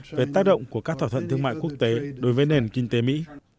nguyên động của các thỏa thuận thương mại quốc tế đối với nền kinh tế mỹ